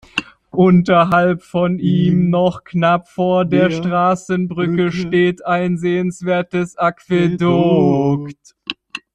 Unterhalb von ihm, noch knapp vor der Straßenbrücke, steht ein sehenswertes Aquädukt.